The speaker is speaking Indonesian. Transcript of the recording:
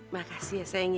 makasih ya sayang ya